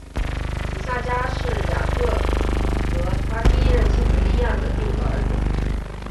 以萨迦是雅各和他第一任妻子利亚的第五个儿子。